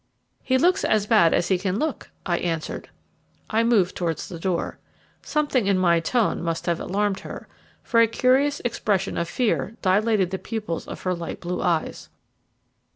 "He looks as bad as he can look," I answered. I moved towards the door. Something in my tone must have alarmed her, for a curious expression of fear dilated the pupils of her light blue eyes.